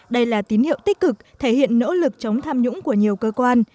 đây là tín hiệu tích cực thể hiện nỗ lực chống tham nhũng của nhiều cơ quan